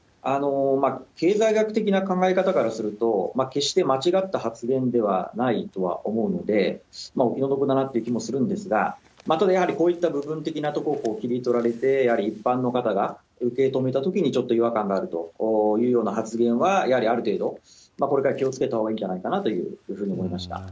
経済学的な考え方からすると、決して間違った発言ではないとは思うので、お気の毒だなって気もするんですが、当然やはりこういう部分的なところを切り取られて、やはり一般の方が受け止めたときに、ちょっと違和感があるというような発言はやはりある程度これから気をつけたほうがいいんじゃないかなというふうに思いました。